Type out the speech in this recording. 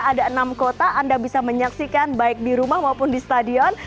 ada enam kota anda bisa menyaksikan baik di rumah maupun di stadion